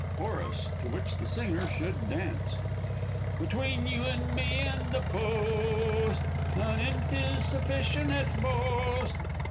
Chorus (to which the singer should dance). Between you and me and the Post! An 'int is sufficient at most.